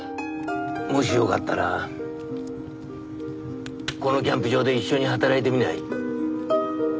もしよかったらこのキャンプ場で一緒に働いてみない？